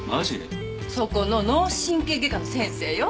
そこの脳神経外科の先生よ高梨先生は。